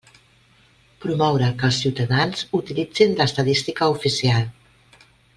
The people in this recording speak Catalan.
Promoure que els ciutadans utilitzin l'estadística oficial.